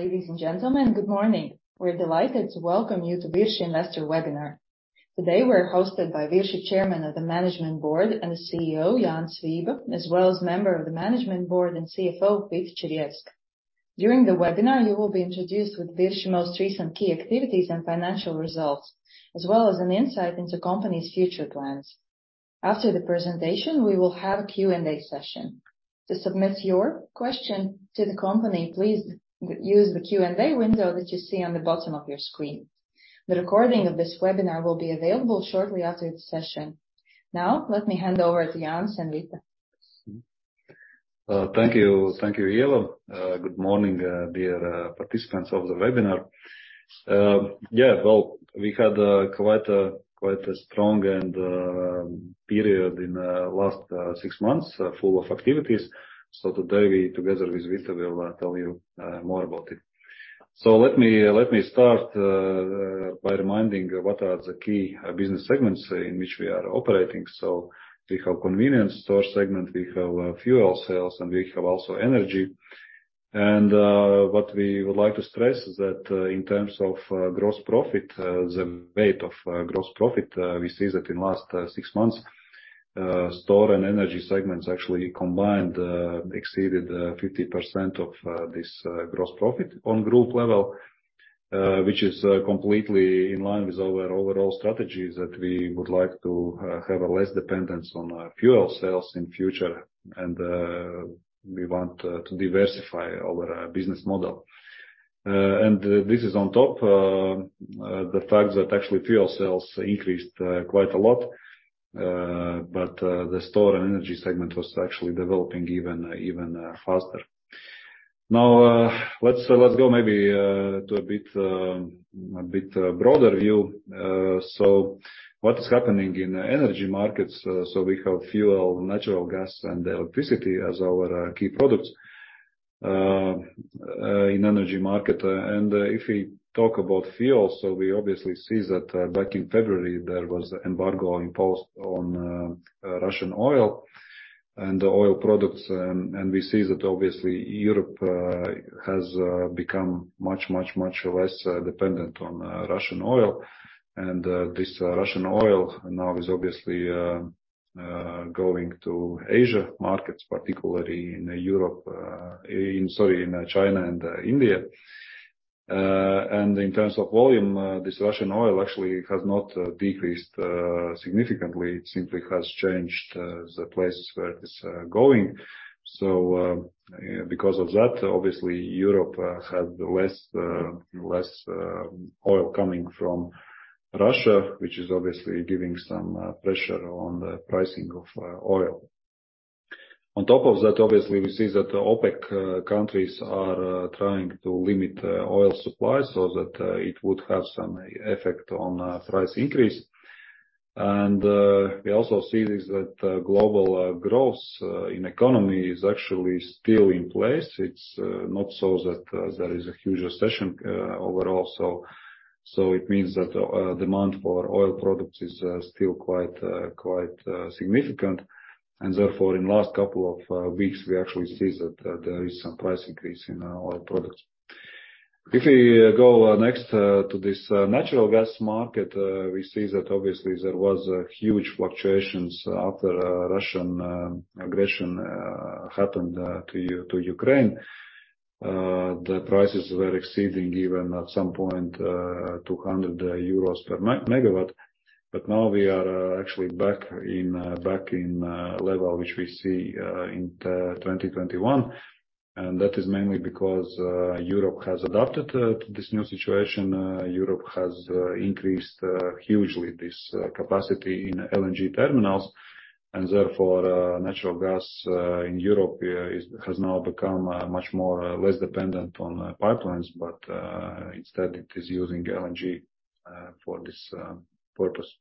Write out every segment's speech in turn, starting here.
Ladies and gentlemen, good morning. We're delighted to welcome you to Virši Investor Webinar. Today, we're hosted by Virši Chairman of the Management Board and CEO, Jānis Vība, as well as Member of the Management Board and CFO, Vita Čirjevska. During the webinar, you will be introduced with Virši most recent key activities and financial results, as well as an insight into company's future plans. After the presentation, we will have a Q&A session. To submit your question to the company, please use the Q&A window that you see on the bottom of your screen. The recording of this webinar will be available shortly after the session. Now, let me hand over to Jānis and Vita. Thank you. Thank you, Yello. Good morning, dear participants of the webinar. Yeah, well, we had quite a, quite a strong and period in last six months, full of activities. Today, we, together with Vita, will tell you more about it. Let me, let me start by reminding what are the key business segments in which we are operating. We have convenience store segment, we have fuel sales, and we have also energy. What we would like to stress is that in terms of gross profit, the weight of gross profit, we see that in last six months, store and energy segments actually combined exceeded 50% of this gross profit on group level. Which is completely in line with our overall strategy, that we would like to have a less dependence on fuel sales in future, we want to diversify our business model. This is on top, the fact that actually, fuel sales increased quite a lot. The store and energy segment was actually developing even even faster. Now, let's let's go maybe to a bit a bit broader view. What is happening in the energy markets? We have fuel, natural gas, and electricity as our key products in energy market. If we talk about fuel, we obviously see that back in February, there was an embargo imposed on Russian oil and oil products. We see that obviously, Europe has become much, much, much less dependent on Russian oil. This Russian oil now is obviously going to Asia markets, particularly in China and India. In terms of volume, this Russian oil actually has not decreased significantly. It simply has changed the places where it's going. Because of that, obviously, Europe had less, less oil coming from Russia, which is obviously giving some pressure on the pricing of oil. On top of that, obviously, we see that the OPEC countries are trying to limit oil supply so that it would have some effect on price increase. We also see this, that global growth in economy is actually still in place. It's not so that there is a huge recession overall. It means that demand for oil products is still quite significant. Therefore, in last couple of weeks, we actually see that there is some price increase in our oil products. If we go next to this natural gas market, we see that obviously there was huge fluctuations after Russian aggression happened to Ukraine. The prices were exceeding even at some point 200 euros per MWh, but now we are actually back in level, which we see in 2021. That is mainly because Europe has adapted to this new situation. Europe has increased hugely this capacity in LNG terminals, and therefore, natural gas in Europe has now become much more less dependent on pipelines, but instead, it is using LNG for this purpose.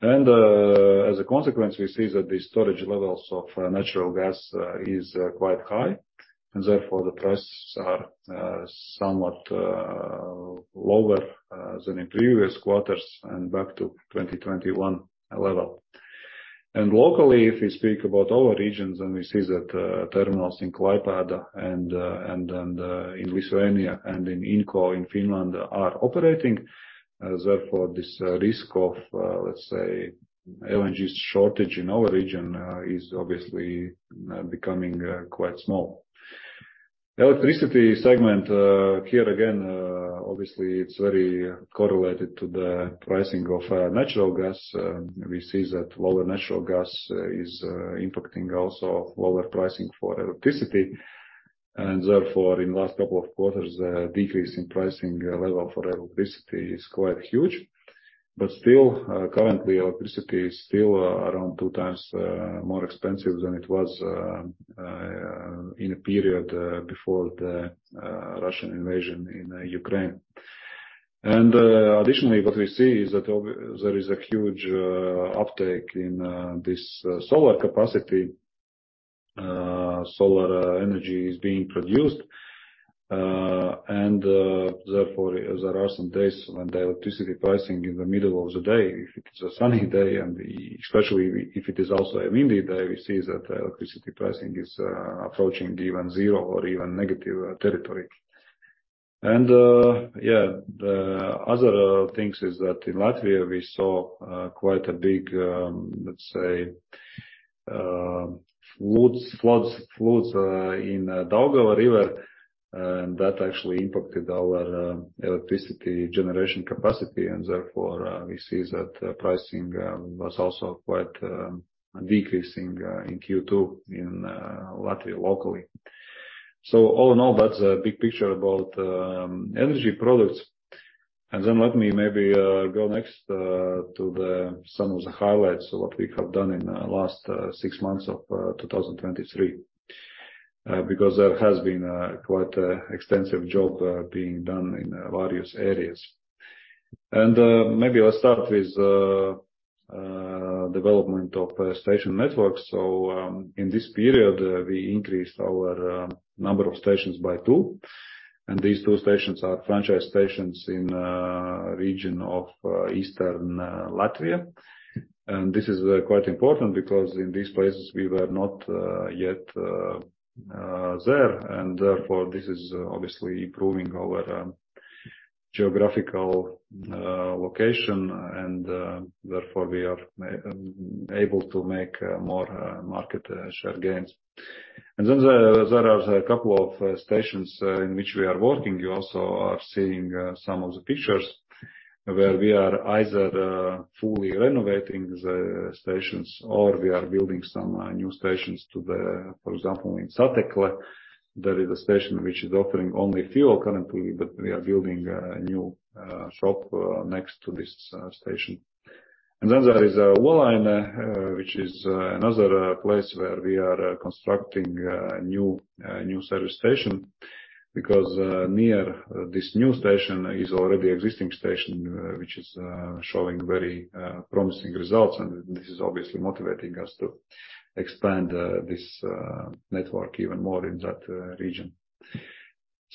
As a consequence, we see that the storage levels of natural gas is quite high, and therefore, the prices are somewhat lower than in previous quarters and back to 2021 level. Locally, if we speak about our regions, we see that terminals in Klaipėda and in Lithuania and in Inkoo, in Finland, are operating. Therefore, this risk of, let's say, LNG shortage in our region, is obviously becoming quite small. Electricity segment, here again, obviously, it's very correlated to the pricing of natural gas. We see that lower natural gas is impacting also lower pricing for electricity. Therefore, in last couple of quarters, decrease in pricing level for electricity is quite huge. Still, currently, electricity is still around two times more expensive than it was in a period before the Russian invasion in Ukraine. Additionally, what we see is that there is a huge uptake in this solar capacity. Solar energy is being produced, therefore, there are some days when the electricity pricing in the middle of the day, if it's a sunny day, and especially if it is also a windy day, we see that the electricity pricing is approaching even zero or even negative territory. Yeah, the other things is that in Latvia, we saw quite a big, let's say, floods in Daugava River, and that actually impacted our electricity generation capacity, therefore, we see that pricing was also quite decreasing in Q2 in Latvia, locally. All in all, that's a big picture about energy products. Let me maybe go next to some of the highlights of what we have done in the last six months of 2023. Because there has been quite extensive job being done in various areas. Maybe let's start with development of station networks. In this period, we increased our number of stations by two, and these two stations are franchise stations in region of Eastern Latvia. This is quite important because in these places, we were not yet there, and therefore, this is obviously improving our geographical location, and therefore, we are able to make more market share gains. There, there are couple of stations in which we are working. You also are seeing some of the pictures where we are either fully renovating the stations, or we are building some new stations. For example, in Satekla, there is a station which is offering only fuel currently, but we are building a new shop next to this station. There is Olaine, which is another place where we are constructing a new service station. Because near this new station is already existing station, which is showing very promising results, and this is obviously motivating us to expand this network even more in that region.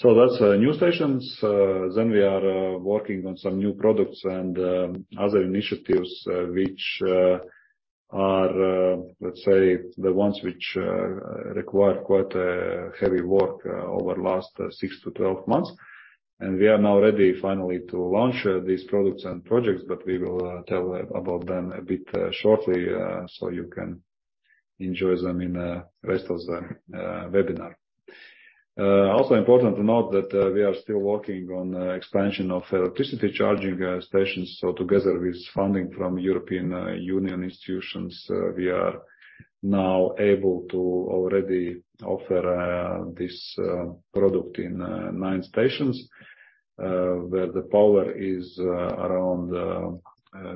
That's new stations. Then we are working on some new products and other initiatives, which are, let's say, the ones which require quite a heavy work over last 6-12 months. And we are now ready finally to launch these products and projects, but we will tell about them a bit shortly, so you can enjoy them in the rest of the webinar. Also important to note that we are still working on expansion of electricity charging stations. So together with funding from European Union institutions, we are now able to already offer this product in nine stations, where the power is around,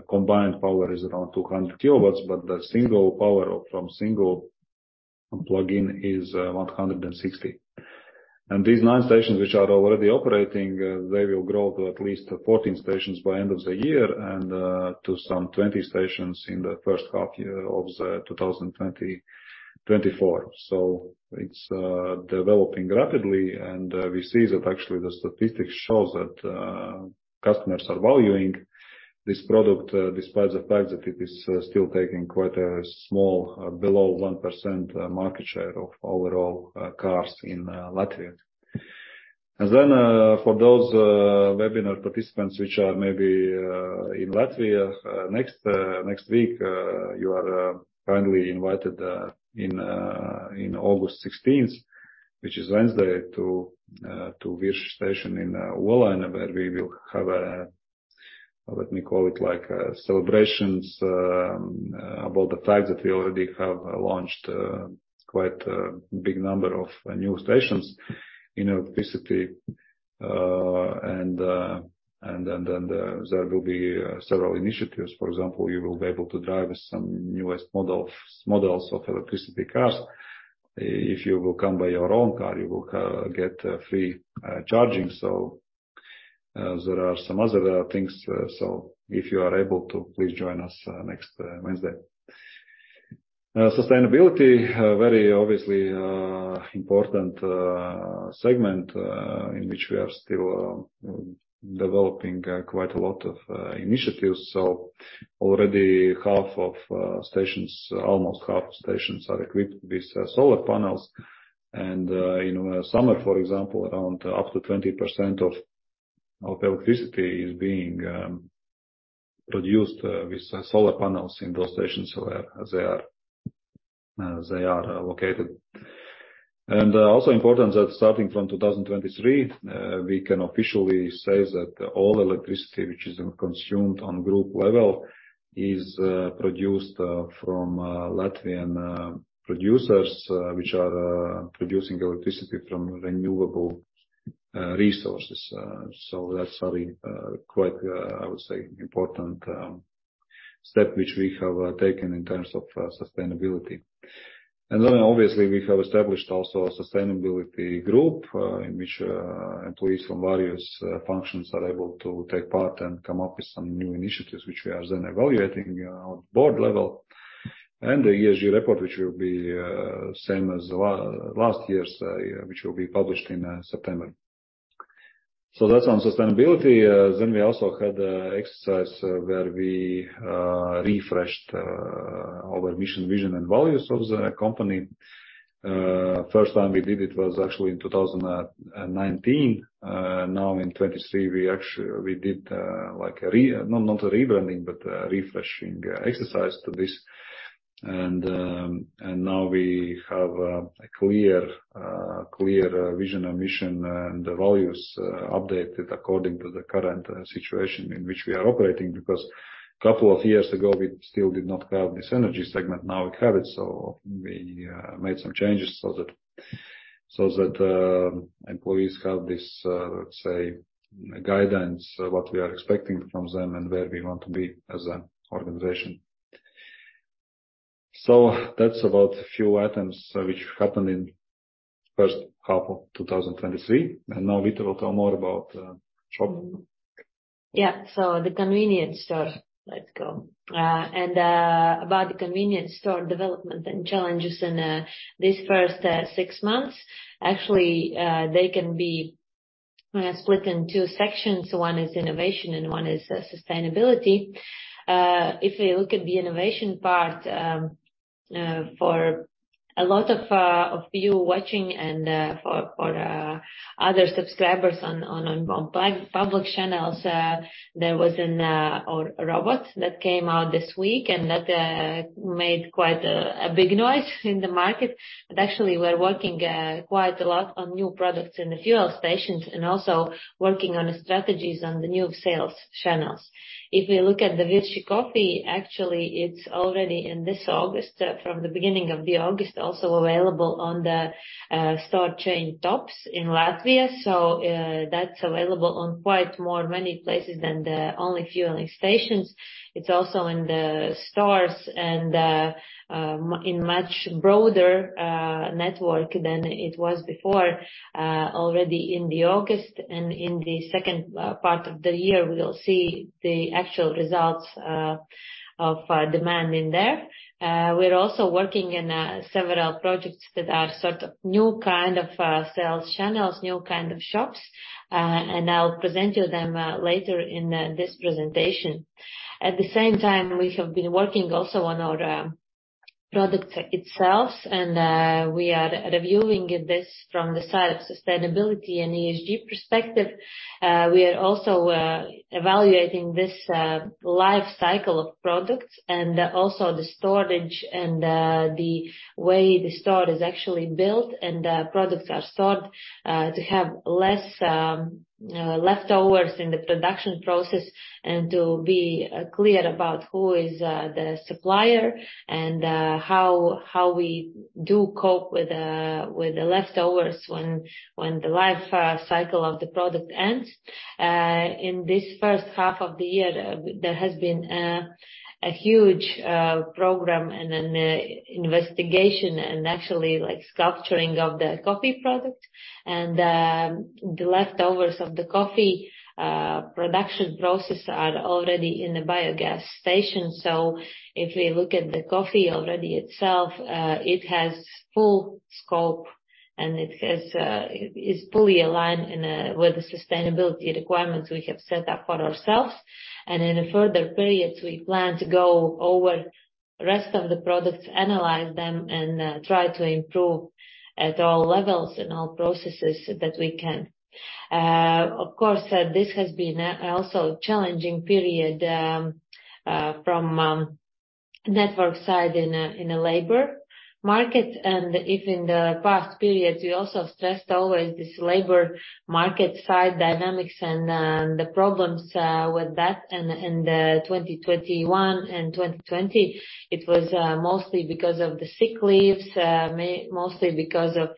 combined power is around 200 kW, but the single power from single plugin is 160 kW. These nine stations, which are already operating, they will grow to at least 14 stations by end of the year and to some 20 stations in the first half year of 2024. It's developing rapidly, and we see that actually, the statistics shows that customers are valuing this product, despite the fact that it is still taking quite a small, below 1%, market share of overall cars in Latvia. For those webinar participants, which are maybe in Latvia, next next week, you are kindly invited in in August 16th, which is Wednesday, to to Virši station in Olaine, where we will have a, let me call it like, celebrations about the fact that we already have launched quite a big number of new stations in electricity. There will be several initiatives. For example, you will be able to drive some newest model, models of electricity cars. If you will come by your own car, you will get a free charging. There are some other things. If you are able to, please join us next Wednesday. Sustainability, very obviously, important segment, in which we are still developing quite a lot of initiatives. Already half of stations, almost half stations are equipped with solar panels. In summer, for example, around up to 20% of our electricity is being produced with solar panels in those stations where they are located. Also important that starting from 2023, we can officially say that all electricity, which is being consumed on group level, is produced from Latvian producers, which are producing electricity from renewable resources. So that's already quite, I would say, important step, which we have taken in terms of sustainability. Obviously, we have established also a sustainability group, in which employees from various functions are able to take part and come up with some new initiatives, which we are then evaluating on board level. The ESG report, which will be same as last year's, which will be published in September. That's on sustainability. We also had exercise where we refreshed our mission, vision, and values of the company. First time we did it was actually in 2019. Now in 2023, we actually-- we did, like a re... Not, not a rebranding, but refreshing exercise to this. Now we have a clear, clear vision and mission, and the values updated according to the current situation in which we are operating. Because a couple of years ago, we still did not have this energy segment, now we have it. We made some changes so that, so that employees have this, let's say, guidance, what we are expecting from them and where we want to be as an organization. That's about a few items which happened in first half of 2023, and now Vita will tell more about shop. Yeah. The convenience store, let's go. About the convenience store development and challenges in these first six months. Actually, they can be split in two sections. One is innovation, and one is sustainability. If we look at the innovation part, for a lot of you watching and for other subscribers on public channels, there was an or a robot that came out this week, and that made quite a big noise in the market. Actually, we're working quite a lot on new products in the fuel stations and also working on the strategies on the new sales channels. If we look at the Virši coffee, actually, it's already in this August, from the beginning of the August, also available on the store chain top! in Latvia. That's available on quite more many places than the only fueling stations. It's also in the stores and in much broader network than it was before. Already in the August and in the second part of the year, we'll see the actual results of demand in there. We're also working in several projects that are sort of new kind of sales channels, new kind of shops, and I'll present you them later in this presentation. At the same time, we have been working also on our product itself, and we are reviewing this from the side of sustainability and ESG perspective. We are also evaluating this life cycle of products and also the storage and the way the store is actually built, and products are stored to have less leftovers in the production process, and to be clear about who is the supplier and how, how we do cope with the leftovers when, when the life cycle of the product ends. In this first half of the year, there, there has been a huge program and an investigation, and actually, like sculpturing of the coffee product. The leftovers of the coffee production process are already in the biogas station. If we look at the coffee already itself, it has full scope, and it has, it is fully aligned in with the sustainability requirements we have set up for ourselves. In the further periods, we plan to go over rest of the products, analyze them, and try to improve at all levels and all processes that we can. Of course, this has been a, also challenging period, from network side in a, in a labor market. If in the past periods, we also stressed always this labor market side dynamics and the problems with that. 2021 and 2020, it was mostly because of the sick leaves, mostly because of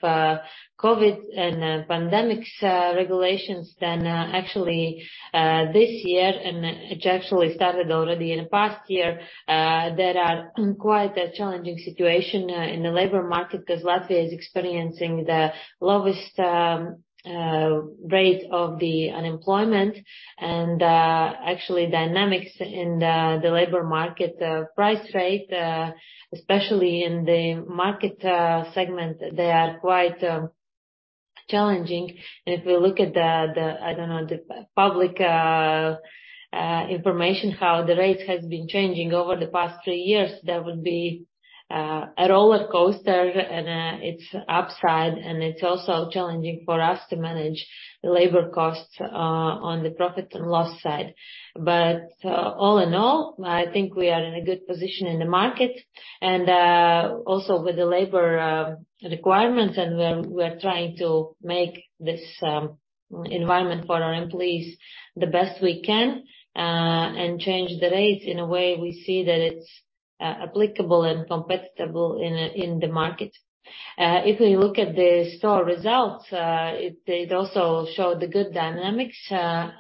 COVID and pandemics regulations. Actually, this year, and it actually started already in the past year, there are, quite a challenging situation in the labor market, because Latvia is experiencing the lowest rate of the unemployment. Actually, dynamics in the labor market price rate, especially in the market segment, they are quite challenging. If we look at the, the, I don't know, the public information, how the rate has been changing over the past three years, that would be a rollercoaster, and it's upside. It's also challenging for us to manage the labor costs on the profit and loss side. But all in all think we are in a good position in the market and also with the labor requirements, and we're trying to make this environment for our employees the best we can and change the rates in a way we see that it's applicable and competitive in the market. If we look at the store results, it also showed the good dynamics.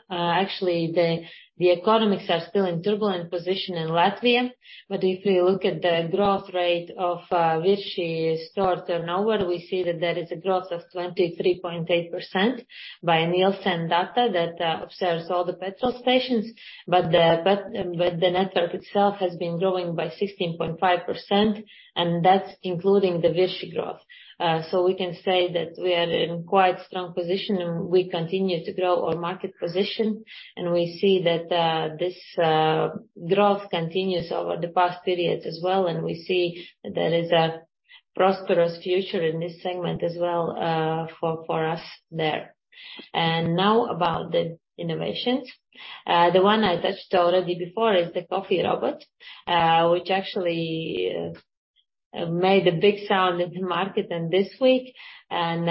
Actually, the economics are still in turbulent position in Latvia, but if we look at the growth rate of Virši store turnover, we see that there is a growth of 23.8% by Nielsen data that observes all the petrol stations. But the network itself has been growing by 16.5%, and that's including the Virši growth. We can say that we are in quite strong position, and we continue to grow our market position, and we see that this growth continues over the past periods as well, and we see there is a prosperous future in this segment as well, for, for us there. Now about the innovations. The one I touched already before is the coffee robot, which actually made a big sound in the market and this week, and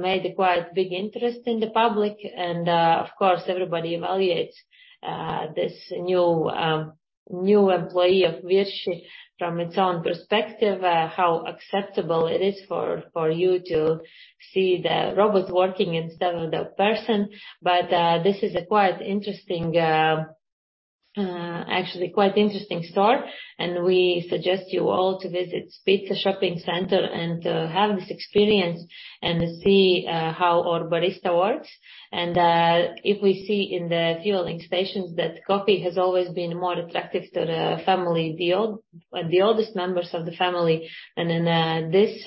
made a quite big interest in the public. Of course, everybody evaluates this new new employee of Virši from its own perspective, how acceptable it is for, for you to see the robot working instead of the person. This is a quite interesting, actually quite interesting store, and we suggest you all to visit Spice Shopping Center and have this experience and see how our barista works. If we see in the fueling stations that coffee has always been more attractive to the family, the old- the oldest members of the family, and then this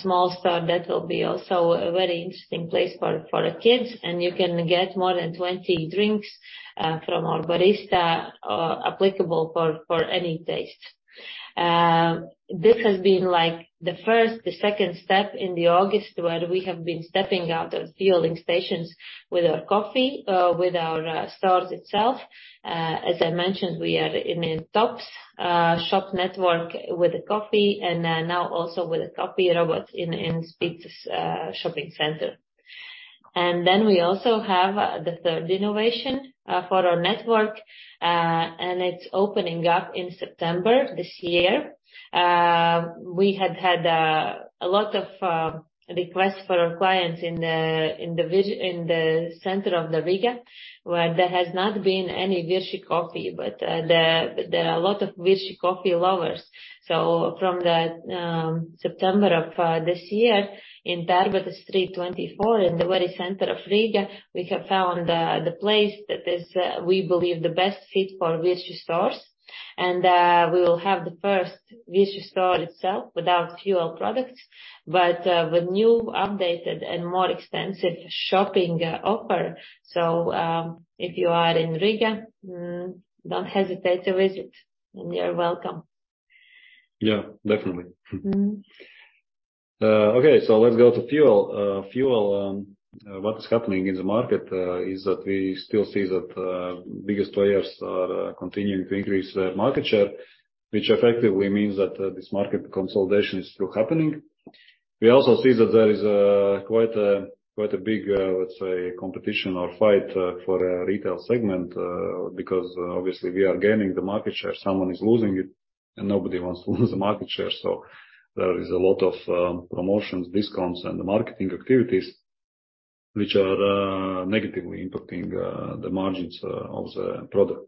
small store, that will be also a very interesting place for, for the kids. You can get more than 20 drinks from our barista, applicable for any taste. This has been like the first, the second step in the August, where we have been stepping out of fueling stations with our coffee, with our stores itself. As I mentioned, we are in a top! shop network with a coffee and now also with a coffee robot in Spice's shopping center. We also have the third innovation for our network, and it's opening up in September this year. We had had a lot of requests for our clients in the center of Riga, where there has not been any Virši coffee, but there are a lot of Virši coffee lovers. From the September of this year, in Tērbatas Street 24, in the very center of Riga, we have found the place that is, we believe, the best fit for Virši stores. We will have the first Virši store itself without fuel products, but with new, updated, and more extensive shopping offer. If you are in Riga, don't hesitate to visit, and you are welcome. Yeah, definitely. Mm-hmm. Okay, let's go to fuel. Fuel, what is happening in the market, is that we still see that biggest players are continuing to increase their market share, which effectively means that this market consolidation is still happening. We also see that there is quite a, quite a big, let's say, competition or fight, for a retail segment, because obviously we are gaining the market share, someone is losing it, and nobody wants to lose the market share. There is a lot of promotions, discounts, and marketing activities, which are negatively impacting the margins of the product.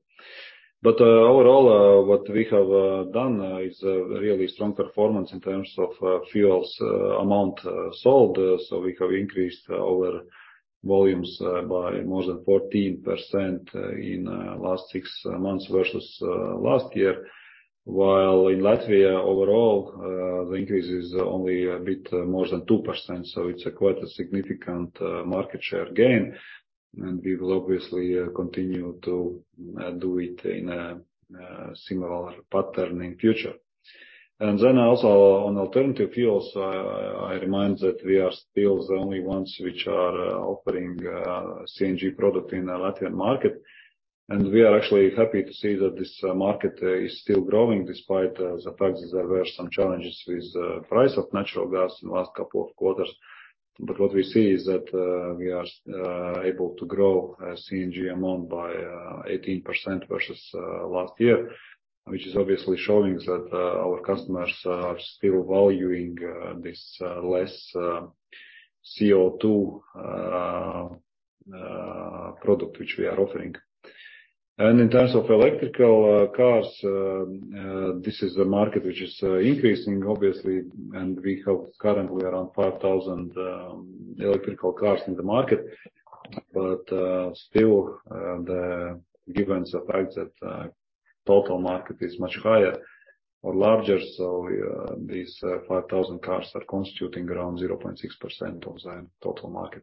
Overall, what we have done, is a really strong performance in terms of fuels, amount sold. We have increased our volumes by more than 14% in last six months versus last year. While in Latvia overall, the increase is only a bit more than 2%, so it's a quite a significant market share gain, and we will obviously continue to do it in a similar pattern in future. Also on alternative fuels, I remind that we are still the only ones which are offering CNG product in the Latvian market. We are actually happy to see that this market is still growing, despite the fact that there were some challenges with price of natural gas in the last couple of quarters. What we see is that we are able to grow CNG amount by 18% versus last year. Which is obviously showing that our customers are still valuing this less CO2 product, which we are offering. In terms of electrical cars, this is a market which is increasing, obviously, and we have currently around 5,000 electrical cars in the market. Still, given the fact that total market is much higher or larger, these 5,000 cars are constituting around 0.6% of the total market.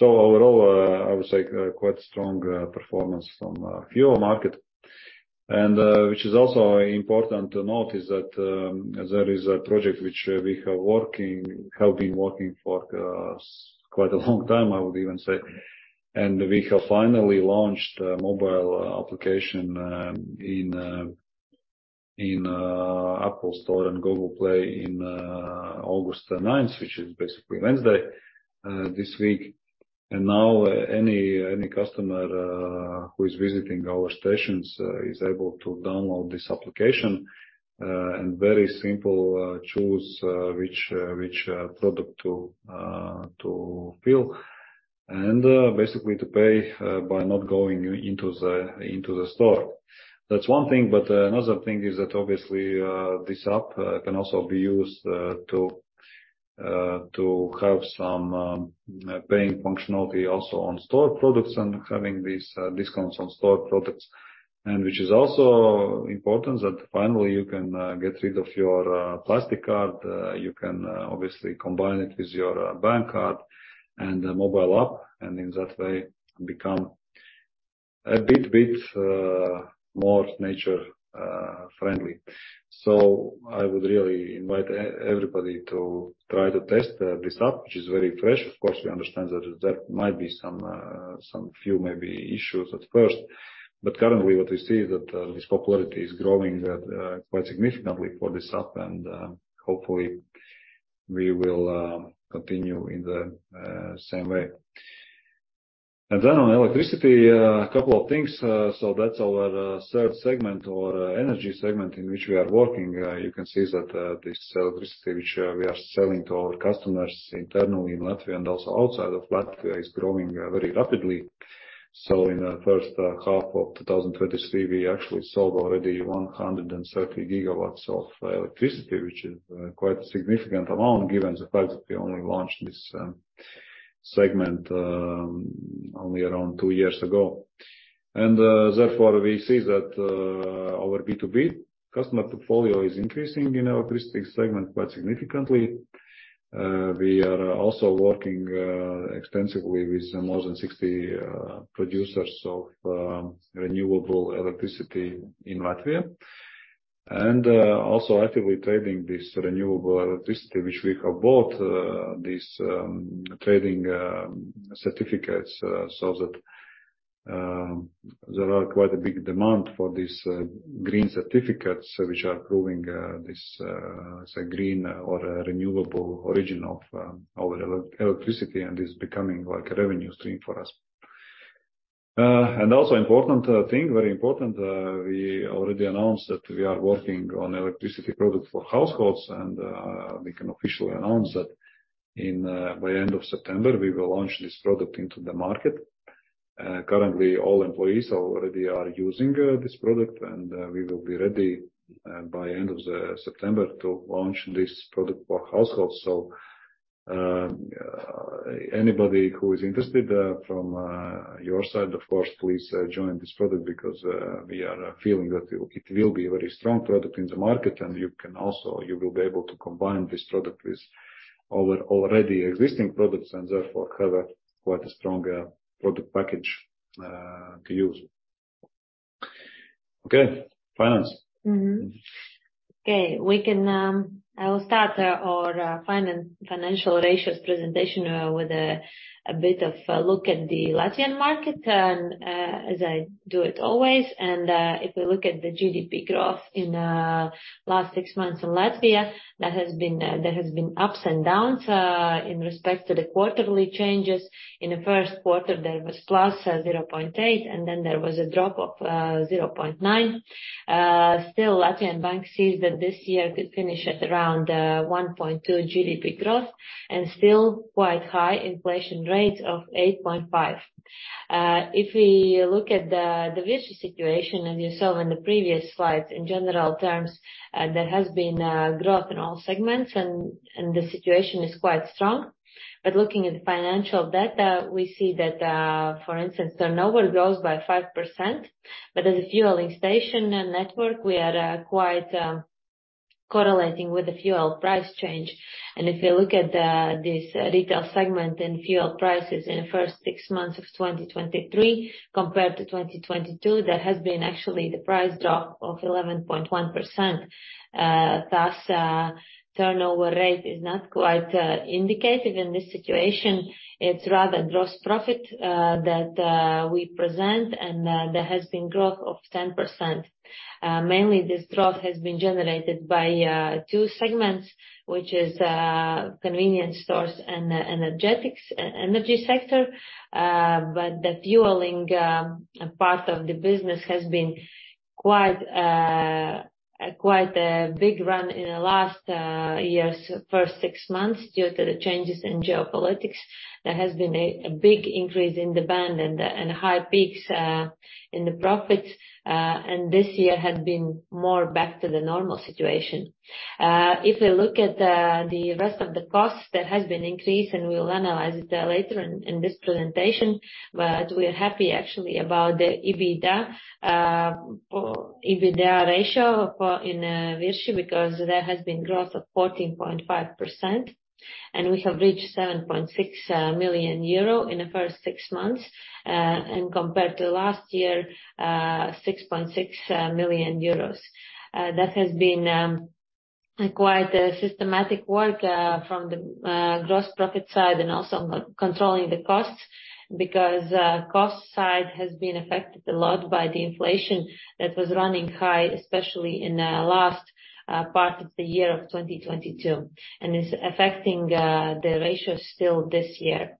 Overall, I would say quite strong performance from fuel market. Which is also important to note is that there is a project which we have been working for quite a long time, I would even say. We have finally launched a mobile application in Apple Store and Google Play in August 9th, which is basically Wednesday this week. Now any customer who is visiting our stations is able to download this application and very simple choose which product to fill and basically to pay by not going into the store. That's one thing, but another thing is that obviously, this app can also be used to have some paying functionality also on store products and having these discounts on store products. Which is also important, that finally you can get rid of your plastic card. You can obviously combine it with your bank card and a mobile app, and in that way become a bit, bit more nature friendly. I would really invite everybody to try to test this app, which is very fresh. Of course, we understand that there might be some some few maybe issues at first, but currently what we see is that this popularity is growing quite significantly for this app, and hopefully we will continue in the same way. On electricity, a couple of things. So that's our third segment or energy segment in which we are working. You can see that this electricity, which we are selling to our customers internally in Latvia and also outside of Latvia, is growing very rapidly. In the first half of 2023, we actually sold already 130 GWh of electricity, which is quite a significant amount, given the fact that we only launched this segment only around two years ago. Therefore, we see that our B2B customer portfolio is increasing in our electricity segment quite significantly. We are also working extensively with more than 60 producers of renewable electricity in Latvia. Also actively trading this renewable electricity, which we have bought, this trading certificates, so that there are quite a big demand for these green certificates, which are proving this say, green or renewable origin of our electricity and is becoming like a revenue stream for us. Also important thing, very important, we already announced that we are working on electricity product for households, and we can officially announce that in by end of September, we will launch this product into the market. Currently, all employees already are using this product, and we will be ready by end of the September to launch this product for households. Anybody who is interested from your side, of course, please join this product because we are feeling that it will be a very strong product in the market, and you can also you will be able to combine this product with our already existing products and therefore have a quite a strong product package to use. Okay. Finance. Okay. We can, I will start our financial ratios presentation with a bit of a look at the Latvian market, as I do it always. If we look at the GDP growth in last six months in Latvia, there has been ups and downs in respect to the quarterly changes. In the first quarter, there was +0.8, and then there was a drop of 0.9. Still, Latvian Bank sees that this year could finish at around 1.2 GDP growth and still quite high inflation rate of 8.5. If we look at the Virši situation, as you saw in the previous slide, in general terms, there has been a growth in all segments, and the situation is quite strong. Looking at the financial data, we see that, for instance, turnover grows by 5%. As a fueling station and network, we are quite correlating with the fuel price change. If you look at this retail segment and fuel prices in the first six months of 2023 compared to 2022, there has been actually the price drop of 11.1%. Thus, turnover rate is not quite indicated in this situation. It's rather gross profit that we present, and there has been growth of 10%. Mainly this growth has been generated by two segments, which is convenience stores and energetics, e-energy sector. But the fueling part of the business has been quite a big run in the last year's first six months due to the changes in geopolitics. There has been a big increase in demand and high peaks in the profits, and this year has been more back to the normal situation. If we look at the rest of the costs, there has been increase, and we will analyze it later in this presentation. But we are happy, actually, about the EBITDA or EBITDA ratio for Virši, because there has been growth of 14.5%, and we have reached 7.6 million euro in the first six months, and compared to last year, 6.6 million euros That has been quite a systematic work from the gross profit side and also controlling the costs, because cost side has been affected a lot by the inflation that was running high, especially in the last part of the year of 2022, and it's affecting the ratio still this year.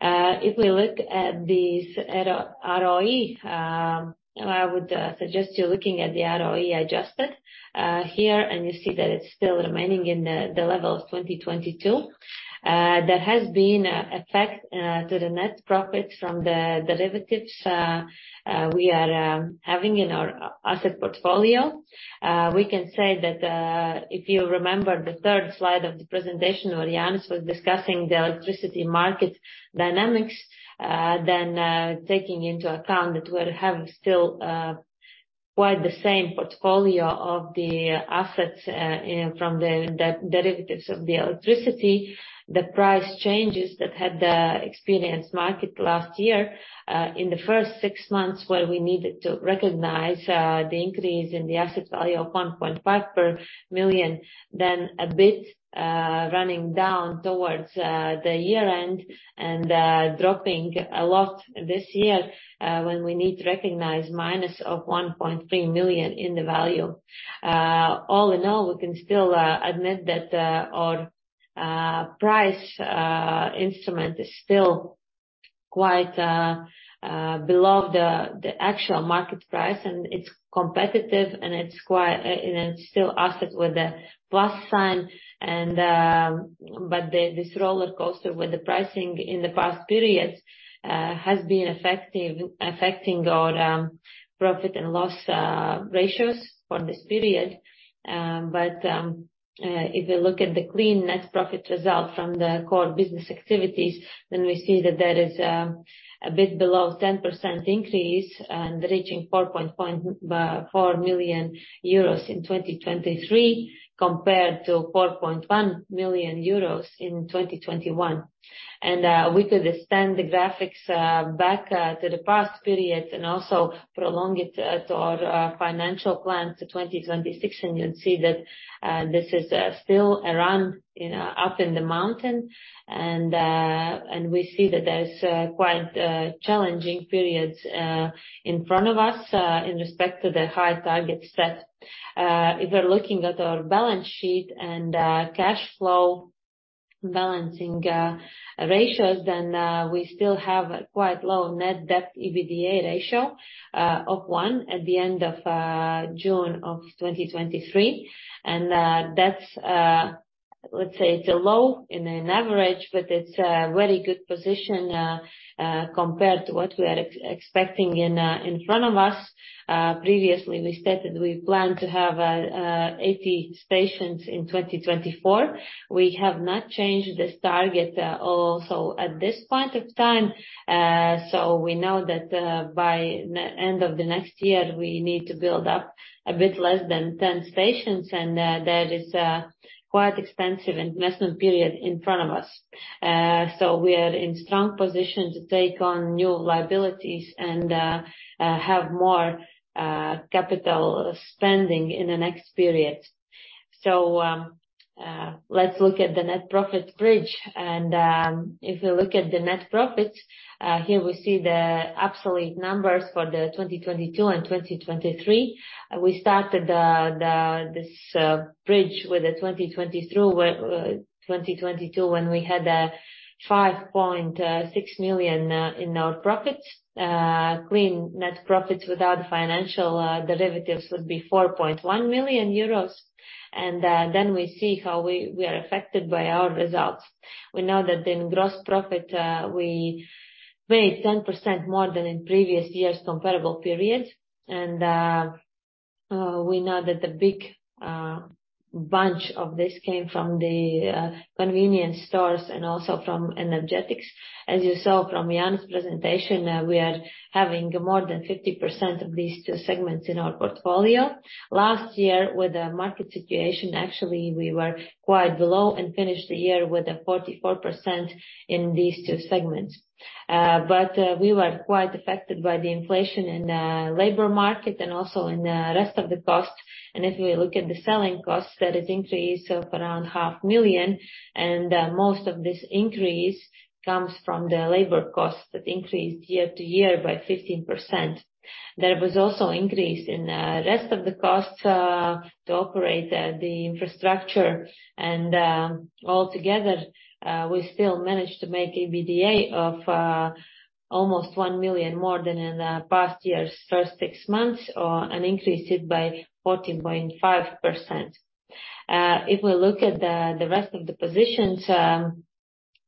If we look at this ROE, I would suggest you looking at the ROE adjusted here, and you see that it's still remaining in the level of 2022. There has been an effect to the net profit from the derivatives we are having in our asset portfolio. We can say that, if you remember the third slide of the presentation, where Jānis was discussing the electricity market dynamics, then taking into account that we have still quite the same portfolio of the assets, from the derivatives of the electricity, the price changes that had the experienced market last year, in the first six months, where we needed to recognize the increase in the asset value of 1.5 million, then a bit running down towards the year-end and dropping a lot this year, when we need to recognize minus of 1.3 million in the value. All in all, we can still admit that our price instrument is still-... quite below the actual market price. It's competitive. It's still asset with a plus sign. This roller coaster with the pricing in the past periods has been effective, affecting our profit and loss ratios for this period. If you look at the clean net profit results from the core business activities, then we see that there is a bit below 10% increase and reaching 4.4 million euros in 2023, compared to 4.1 million euros in 2021. We could extend the graphics back to the past periods and also prolong it to our financial plan to 2026, and you'll see that this is still around, you know, up in the mountain. We see that there's quite challenging periods in front of us in respect to the high targets set. If we're looking at our balance sheet and cash flow balancing ratios, then we still have a quite low net debt to EBITDA ratio of one at the end of June of 2023. That's let's say it's a low in an average, but it's a very good position compared to what we are ex-expecting in front of us. Previously, we stated we plan to have 80 stations in 2024. We have not changed this target also at this point of time. We know that by the end of the next year, we need to build up a bit less than 10 stations, and that is quite expensive investment period in front of us. We are in strong position to take on new liabilities and have more capital spending in the next period. Let's look at the net profit bridge, and if we look at the net profit, here we see the absolute numbers for the 2022 and 2023. We started this bridge with the 2022, when we had 5.6 million in our profits. Clean net profits without financial derivatives would be 4.1 million euros. Then we see how we are affected by our results. We know that in gross profit, we made 10% more than in previous years' comparable periods. We know that the big bunch of this came from the convenience stores and also from energetics. As you saw from Jānis' presentation, we are having more than 50% of these two segments in our portfolio. Last year, with the market situation, actually, we were quite below and finished the year with a 44% in these two segments. We were quite affected by the inflation in the labor market and also in the rest of the costs. If we look at the selling costs, that is increased of around 500,000, and most of this increase comes from the labor costs, that increased year-to-year by 15%. There was also increase in rest of the costs to operate the infrastructure. Altogether, we still managed to make EBITDA of almost 1 million, more than in the past year's first six months, or an increase it by 14.5%. If we look at the rest of the positions,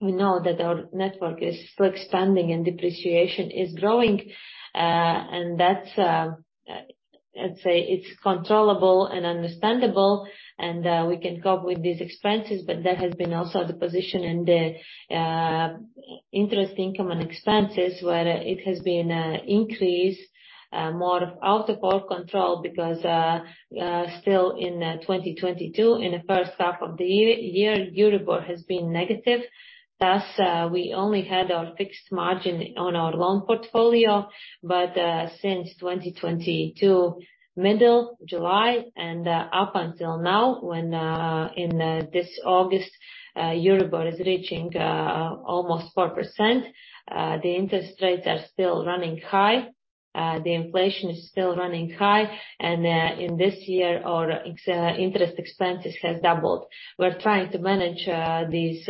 we know that our network is still expanding and depreciation is growing, and that's, I'd say it's controllable and understandable, and we can cope with these expenses. There has been also the position in the interest income and expenses, where it has been increased more out of our control, because still in 2022, in the first half of the year, Euribor has been negative. Thus, we only had our fixed margin on our loan portfolio, but, since 2022, middle July, and, up until now, when, in, this August, Euribor is reaching, almost 4%, the interest rates are still running high, the inflation is still running high, and, in this year, our interest expenses have doubled. We're trying to manage, these,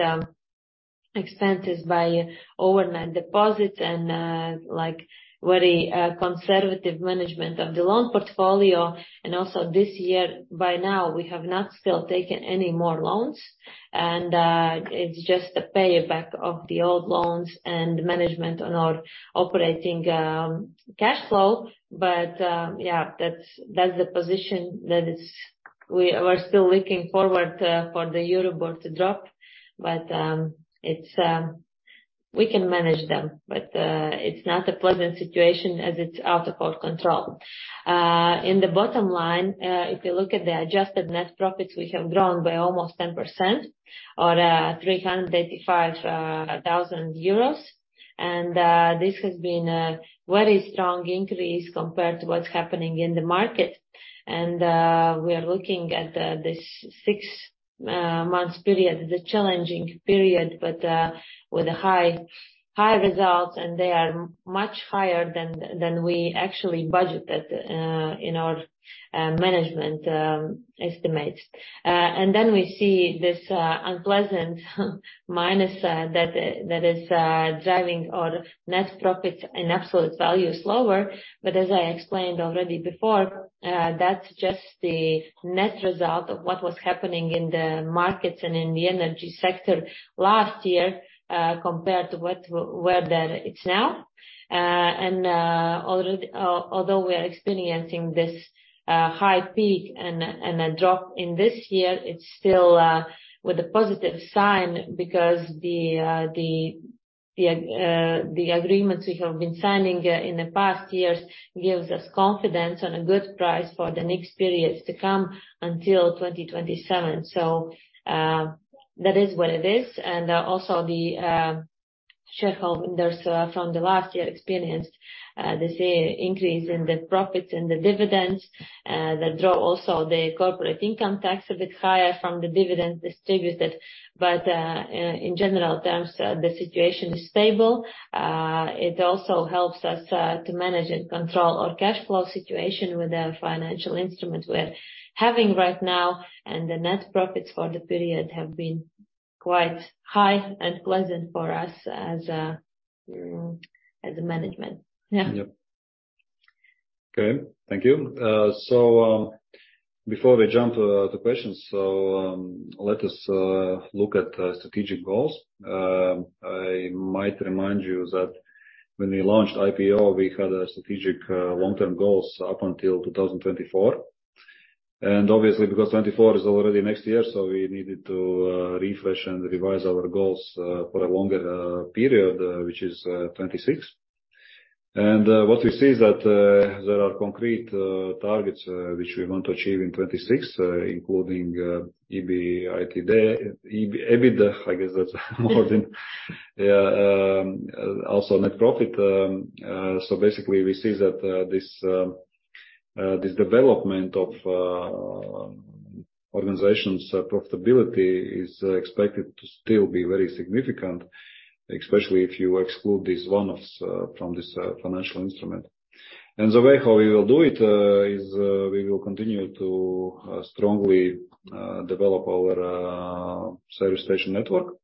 expenses by overnight deposits and, like, very, conservative management of the loan portfolio. Also this year, by now, we have not still taken any more loans, and, it's just a payback of the old loans and management on our operating, cash flow. Yeah, that's, that's the position that is, we're still looking forward, for the Euribor to drop, but, it's... We can manage them, but it's not a pleasant situation as it's out of our control. In the bottom line, if you look at the adjusted net profits, we have grown by almost 10% or 385,000 euros. This has been a very strong increase compared to what's happening in the market. We are looking at this six months period, the challenging period, but with a high, high results, and they are much higher than we actually budgeted in our management estimates. We see this unpleasant minus that is driving our net profits in absolute value slower. As I explained already before, that's just the net result of what was happening in the markets and in the energy sector last year, compared to where that it's now. Although we are experiencing this high peak and a drop in this year, it's still with a positive sign because the agreements we have been signing in the past years gives us confidence and a good price for the next periods to come until 2027. That is what it is. Also the shareholders from the last year experienced the same increase in the profits and the dividends, that draw also the corporate income tax a bit higher from the dividend distributed. In general terms, the situation is stable. It also helps us to manage and control our cash flow situation with our financial instruments we're having right now, and the net profits for the period have been quite high and pleasant for us as a management. Yep. Okay. Thank you. So, before we jump to the questions, let us look at strategic goals. I might remind you that when we launched IPO, we had a strategic long-term goals up until 2024. Obviously, because 2024 is already next year, so we needed to refresh and revise our goals for a longer period, which is 2026. What we see is that there are concrete targets which we want to achieve in 2026, including EBITDA, EBITDA, I guess that's more than... Yeah, also net profit. Basically, we see that this development of organization's profitability is expected to still be very significant, especially if you exclude these one-offs from this financial instrument. The way how we will do it is we will continue to strongly develop our service station network.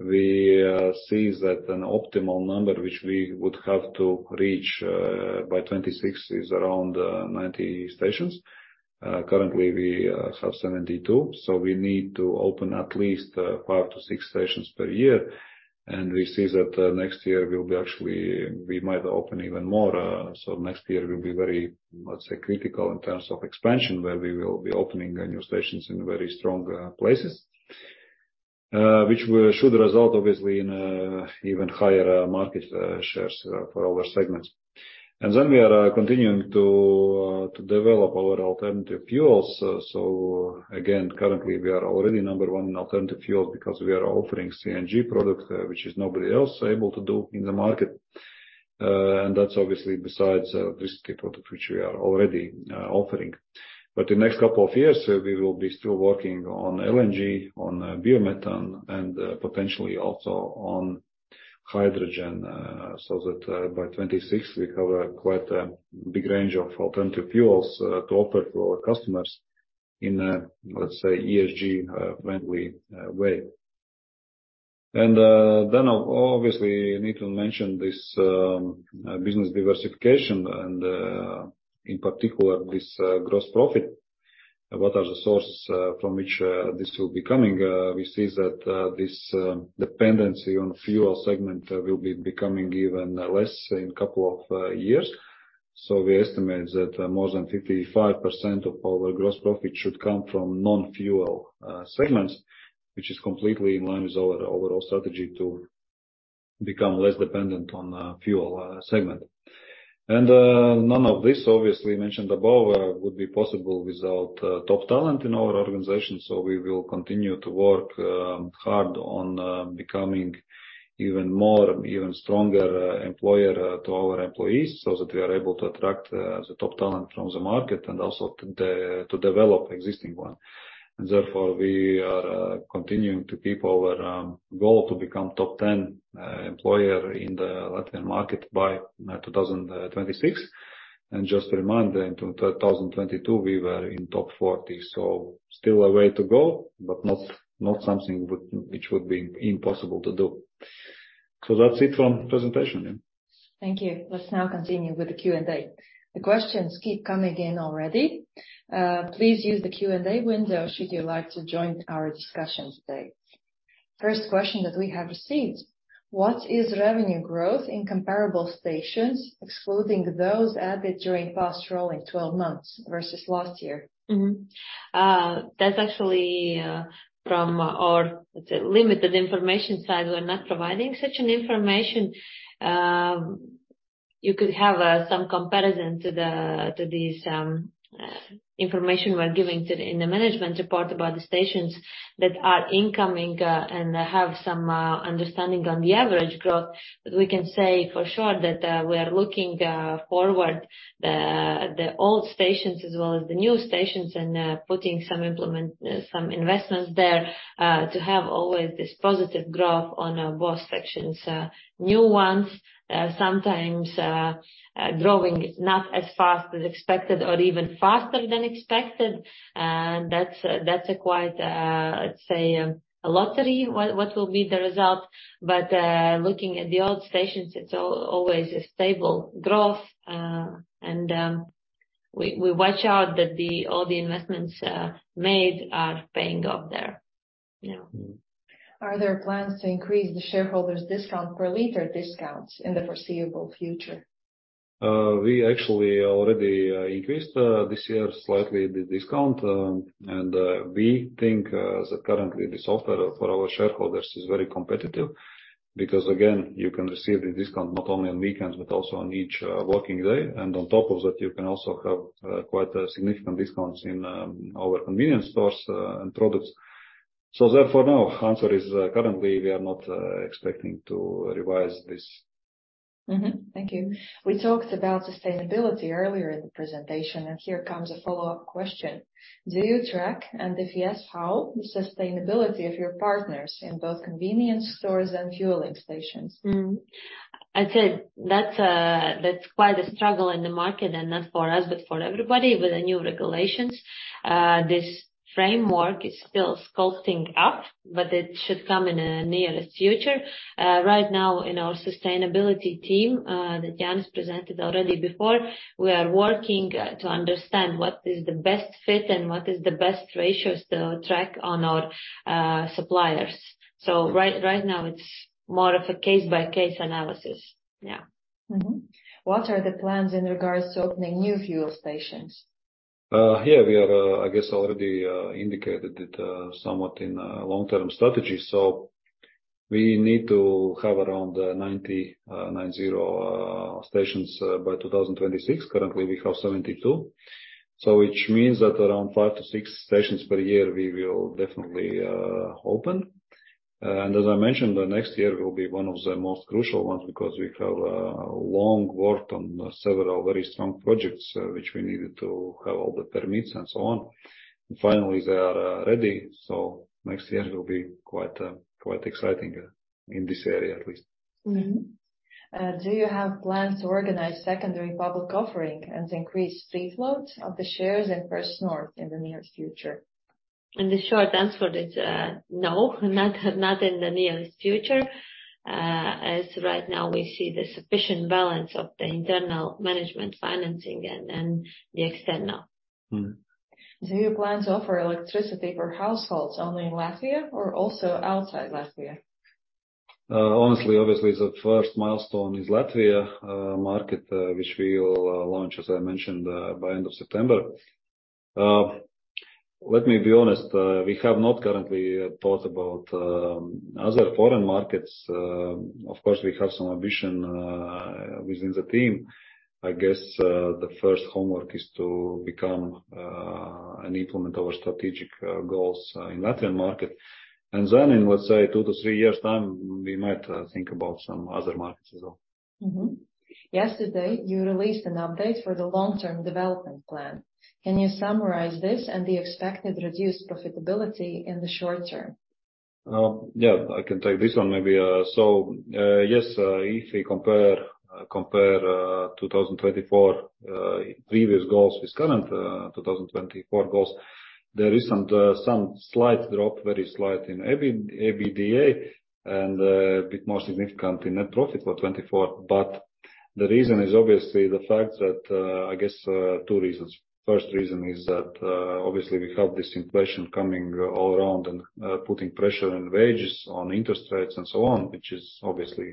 We see that an optimal number, which we would have to reach by 2026, is around 90 stations. Currently, we have 72, so we need to open at least five to six stations per year. We see that next year will be actually, we might open even more. Next year will be very, let's say, critical in terms of expansion, where we will be opening new stations in very strong places. Which should result, obviously, in even higher market shares for our segments. We are continuing to develop our alternative fuels. Again, currently, we are already number one in alternative fuels because we are offering CNG products, which is nobody else able to do in the market. That's obviously besides, this product which we are already offering. The next couple of years, we will be still working on LNG, on biomethane, and potentially also on hydrogen, so that, by 2026, we have a quite a big range of alternative fuels to offer to our customers in a, let's say, ESG-friendly way. Then, obviously, you need to mention this business diversification and in particular, this gross profit. What are the sources from which this will be coming? We see that this dependency on fuel segment will be becoming even less in a couple of years. We estimate that more than 55% of our gross profit should come from non-fuel segments, which is completely in line with our overall strategy to become less dependent on fuel segment. None of this obviously mentioned above would be possible without top talent in our organization. We will continue to work hard on becoming even more, even stronger employer to our employees, so that we are able to attract the top talent from the market and also to develop existing one. Therefore, we are continuing to keep our goal to become top 10 employer in the Latvian market by 2026. Just a reminder, in 2022, we were in top 40, so still a way to go, but not, not something which, which would be impossible to do. That's it from presentation, yeah. Thank you. Let's now continue with the Q&A. The questions keep coming in already. Please use the Q&A window should you like to join our discussion today. First question that we have received: What is revenue growth in comparable stations, excluding those added during past rolling 12 months versus last year? Mm-hmm. That's actually from our, let's say, limited information side. We're not providing such an information. You could have some comparison to the, to these, information we're giving in the management report about the stations that are incoming, and have some understanding on the average growth. We can say for sure that we are looking forward, the, the old stations as well as the new stations, and putting some some investments there, to have always this positive growth on both sections. New ones, sometimes, growing not as fast as expected or even faster than expected, and that's, that's a quite, let's say, a lottery, what, what will be the result. Looking at the old stations, it's always a stable growth, and, we, we watch out that all the investments made are paying off there, yeah. Are there plans to increase the shareholders' discount per liter discounts in the foreseeable future? We actually already increased this year slightly the discount. And we think that currently this offer for our shareholders is very competitive, because again, you can receive the discount not only on weekends, but also on each working day. On top of that, you can also have quite significant discounts in our convenience stores and products. Therefore, no, the answer is currently, we are not expecting to revise this. Mm-hmm. Thank you. We talked about sustainability earlier in the presentation, and here comes a follow-up question: Do you track, and if yes, how, the sustainability of your partners in both convenience stores and fueling stations? I'd say that's that's quite a struggle in the market, and not for us, but for everybody with the new regulations. This framework is still sculpting up, but it should come in the nearest future. Right now, in our sustainability team, that Jānis presented already before, we are working to understand what is the best fit and what is the best ratios to track on our suppliers. Right, right now, it's more of a case-by-case analysis. Yeah. Mm-hmm. What are the plans in regards to opening new fuel stations? Yeah, we are, I guess, already, indicated it, somewhat in, long-term strategy. We need to have around 90 stations by 2026. Currently, we have 72. Which means that around five to six stations per year, we will definitely, open. As I mentioned, the next year will be one of the most crucial ones because we have, long worked on several very strong projects, which we needed to have all the permits and so on. Finally, they are, ready, so next year will be quite, quite exciting, in this area at least. Do you have plans to organize secondary public offering and increase free float of the shares in First North in the nearest future? The short answer is, no, not, not in the nearest future. As right now we see the sufficient balance of the internal management financing and, and the external. Mm. Do you plan to offer electricity for households only in Latvia or also outside Latvia? Honestly, obviously, the first milestone is Latvia market, which we will launch, as I mentioned, by end of September. Let me be honest, we have not currently thought about other foreign markets. Of course, we have some ambition within the team. I guess, the first homework is to become and implement our strategic goals in Latvian market. And then in, let's say, two to three years' time, we might think about some other markets as well. Mm-hmm. Yesterday, you released an update for the long-term development plan. Can you summarize this and the expected reduced profitability in the short term? Yeah, I can take this one maybe. Yes, if we compare, compare 2024 previous goals with current 2024 goals, there is some, some slight drop, very slight in EBITDA, and a bit more significant in net profit for 2024. The reason is obviously the fact that, I guess, two reasons. First reason is that, obviously, we have this inflation coming all around and putting pressure on wages, on interest rates, and so on, which is obviously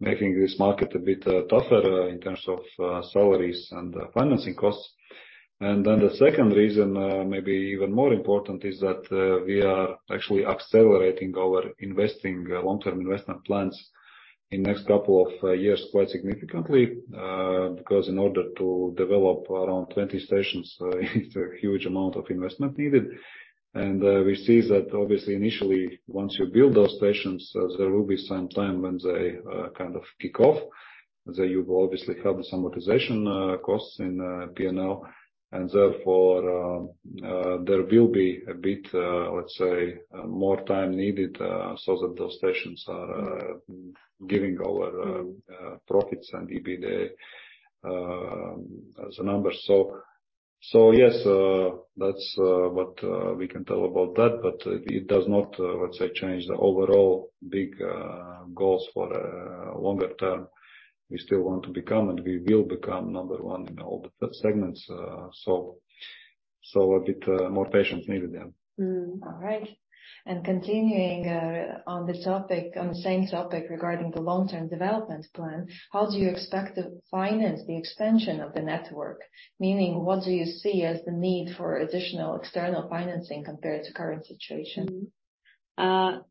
making this market a bit tougher in terms of salaries and financing costs. The second reason, maybe even more important, is that we are actually accelerating our investing long-term investment plans in next couple of years, quite significantly. Because in order to develop around 20 stations, it's a huge amount of investment needed. We see that obviously, initially, once you build those stations, there will be some time when they kind of kick off. There you obviously have some amortization costs in P&L, and therefore, there will be a bit, let's say, more time needed so that those stations are giving our profits and EBITDA as a number. Yes, that's what we can tell about that, but it does not, let's say, change the overall big goals for a longer term. We still want to become, and we will become number one in all the segments, a bit more patience needed then. Mm. All right. Continuing, on the topic, on the same topic regarding the long-term development plan, how do you expect to finance the expansion of the network? Meaning, what do you see as the need for additional external financing compared to current situation?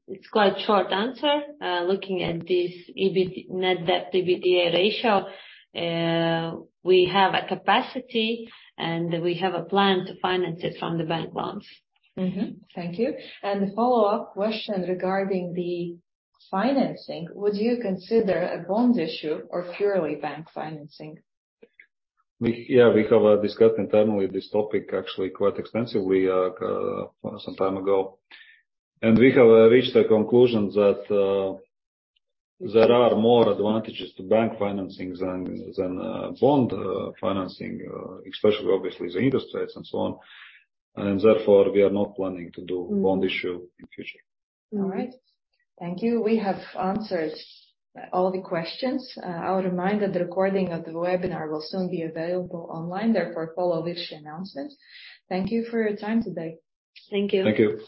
It's quite short answer. Looking at this net debt to EBITDA ratio, we have a capacity, and we have a plan to finance it from the bank loans. Thank you. The follow-up question regarding the financing, would you consider a bond issue or purely bank financing? Yeah, we have discussed internally this topic actually quite extensively, some time ago. We have reached the conclusion that there are more advantages to bank financing than, than bond financing, especially obviously the interest rates and so on. Therefore, we are not planning to do bond issue in future. All right. Thank you. We have answered all the questions. I would remind that the recording of the webinar will soon be available online, therefore, follow which announcement. Thank you for your time today. Thank you. Thank you.